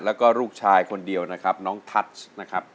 แล้วก็ลูกชายคนเดียวนะครับน้องทัชนะครับ